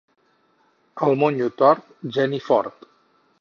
El monyo tort, geni fort.